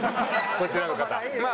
そちらの方？